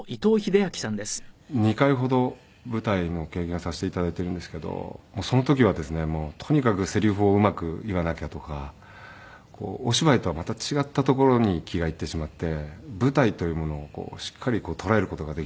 もう２回ほど舞台の経験はさせて頂いているんですけどその時はですねとにかくセリフをうまく言わなきゃとかお芝居とはまた違ったところに気が行ってしまって舞台というものをしっかり捉える事ができなくて。